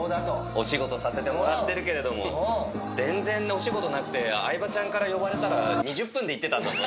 お仕事させてもらってるけれども、全然お仕事なくて、相葉ちゃんから呼ばれたら２０分で行ってたんだぞ。